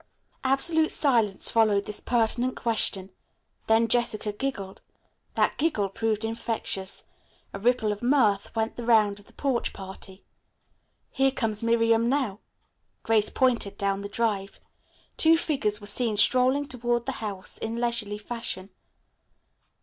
Absolute silence followed this pertinent question. Then Jessica giggled. That giggle proved infectious. A ripple of mirth went the round of the porch party. "Here comes Miriam now." Grace pointed down the drive. Two figures were seen strolling toward the house in leisurely fashion.